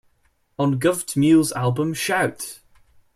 On Gov't Mule's album Shout!